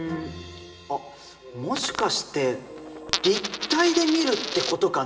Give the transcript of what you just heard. あっもしかして立体で見るってことかな？